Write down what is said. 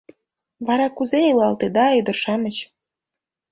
Вара кузе илалтеда, ӱдыр-шамыч?